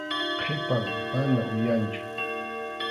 Qhipan, mana uyanchu.